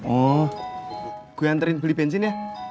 oh gue anterin beli bensin ya